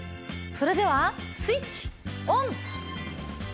それではスイッチオン！